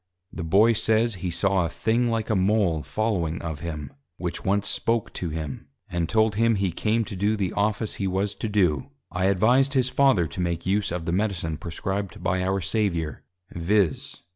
The Boy says, He saw a thing like a Mole following of him, which once spoke to him, and told him he came to do the Office he was to do: I advised his Father to make use of the Medicine prescribed by our Saviour, _viz.